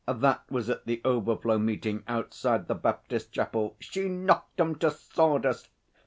That was at the overflow meeting outside the Baptist chapel. She knocked 'em to sawdust!